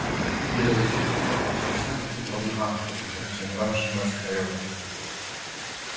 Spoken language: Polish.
Wiele ze zgłaszanych obaw pozostanie zatem problemami, którymi będą się zajmowały władze krajowe